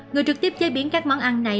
người trực tiếp chế biến các món ăn này